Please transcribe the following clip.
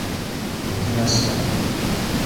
起きました。